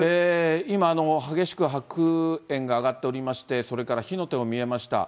今、激しく白煙が上がっておりまして、それから火の手も見えました。